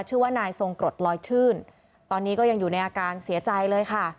ชื่อว่านายทรงกรดลอยชื่นตอนนี้ก็ยังอยู่ในอาการเสียใจเลยค่ะ